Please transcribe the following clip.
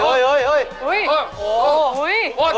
โอ๊ย